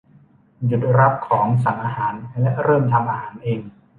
หยุดรับของสั่งอาหารและเริ่มทำอาหารเอง !